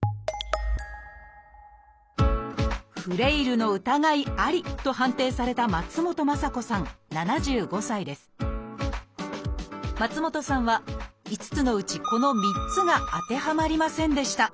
「フレイルの疑いあり」と判定された松本さんは５つのうちこの３つが当てはまりませんでした。